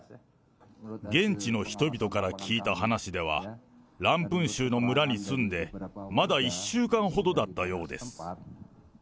現地の人々から聞いた話では、ランプン州の村に住んで、まだ１週間ほどだったようです。